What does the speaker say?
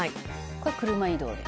「これ車移動で？」